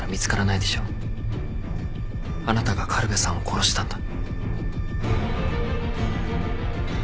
あなたが苅部さんを殺したんだ。